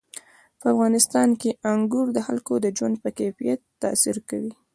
په افغانستان کې انګور د خلکو د ژوند په کیفیت تاثیر کوي.